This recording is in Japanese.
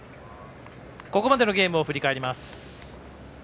ここまでのゲームを振り返ります。